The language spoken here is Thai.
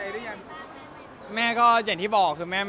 ที่บ้านลงใจหรือยัง